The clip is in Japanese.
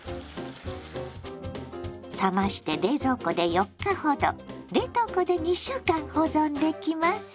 冷まして冷蔵庫で４日ほど冷凍庫で２週間保存できます。